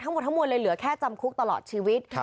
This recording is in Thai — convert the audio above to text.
ทั้งหมดทั้งมวลเลยเหลือแค่จำคุกตลอดชีวิต